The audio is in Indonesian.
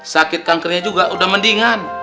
sakit kankernya juga udah mendingan